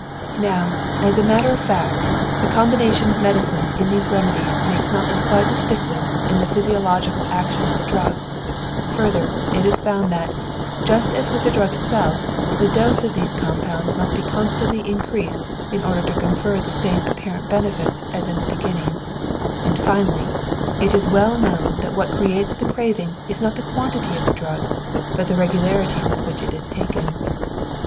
Now, as a matter of fact, the combination of medicines in these remedies makes not the slightest difference in the physiological action of the drug; further, it is found that, just as with the drug itself, the dose of these compounds must be constantly increased in order to confer the same apparent benefit as in the beginning; and finally, it is well known that what creates the craving is not the quantity of the drug, but the regularity with which it is taken.